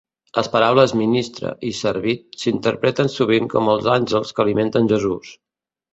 Les paraules "ministre" i "servit" s'interpreten sovint com els àngels que alimenten Jesús.